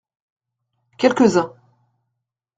Quelques-uns.